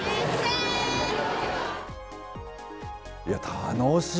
楽しい。